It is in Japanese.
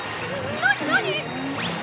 何何？